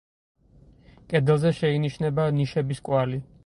კედელზე შეინიშნება ნიშების კვალი.